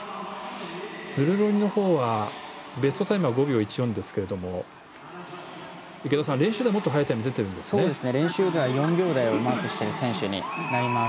ズルロニの方はベストタイムが５秒１４ですが池田さん、練習ではもっと速いタイムが練習では４秒台をマークしている選手になります。